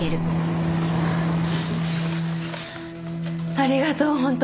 ありがとう本当。